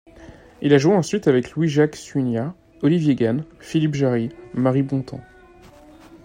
Il a joué ensuite avec Louis-Jacques Suignard, Olivier Gann, Philippe Jarry, Marie Bontemps.